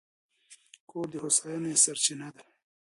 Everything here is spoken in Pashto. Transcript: کور د هوساینې سرچینه ده.